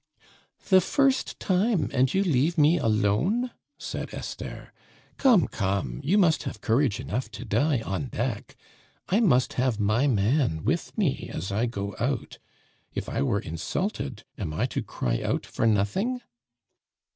"The first time, and you leave me alone!" said Esther. "Come, come, you must have courage enough to die on deck. I must have my man with me as I go out. If I were insulted, am I to cry out for nothing?"